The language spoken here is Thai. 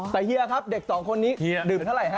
แต่เฮียครับเด็กสองคนนี้ดื่มเท่าไหร่